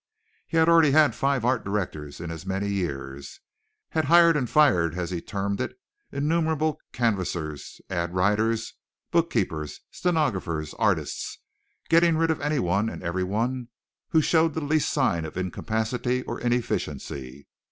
He had already had five art directors in as many years, had "hired and fired," as he termed it, innumerable canvassers, ad writers, book keepers, stenographers, artists getting rid of anyone and everyone who showed the least sign of incapacity or inefficiency.